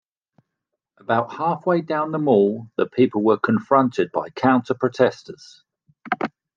About halfway down the Mall the people were confronted by counter-protesters.